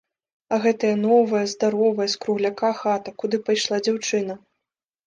А гэтая, новая, здаровая, з кругляка хата, куды пайшла дзяўчына!